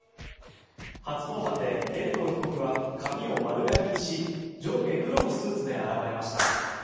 初公判で、遠藤被告は髪を丸刈りにし上下黒のスーツで現れました。